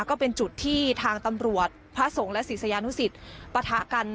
ก็เป็นจุดที่ทางตำรวจพระสงฆ์และศิษยานุสิตปะทะกัน